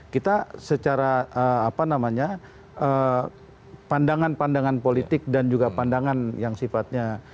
kita secara apa namanya pandangan pandangan politik dan juga pandangan yang sifatnya